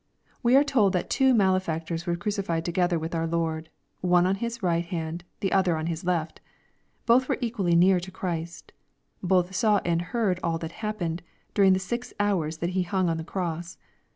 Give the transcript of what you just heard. We are told that two male factors w#e crucified together with our Lord, one on His right hand and the other on His left. Both were equally near to Christ. Both saw and heard all that happened^ during the six hours that He LuDg on the cross.